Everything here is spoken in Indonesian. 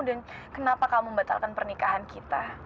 dan kenapa kamu batalkan pernikahan kita